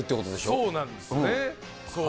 そうなんですね。